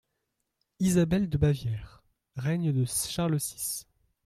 Isabel de Bavière= (Règne de Charles six).